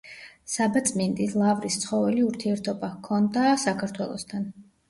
საბაწმინდის ლავრის ცხოველი ურთიერთობა ჰქონდა საქართველოსთან.